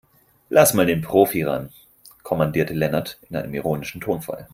"Lass mal den Profi ran", kommandierte Lennart in einem ironischen Tonfall.